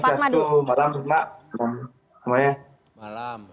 om swastiastu malam